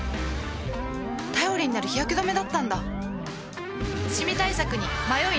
頼りになる日焼け止めだったんだ